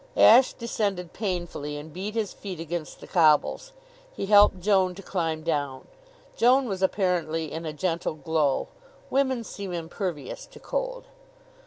Ashe descended painfully and beat his feet against the cobbles. He helped Joan to climb down. Joan was apparently in a gentle glow. Women seem impervious to cold.